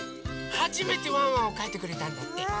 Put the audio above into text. はじめてワンワンをかいてくれたんだって！